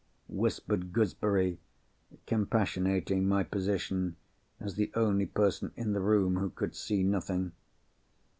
whispered Gooseberry, compassionating my position, as the only person in the room who could see nothing.